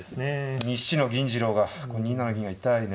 ２七の銀次郎が２七銀が痛いね。